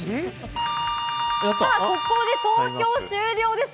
ここで投票終了です。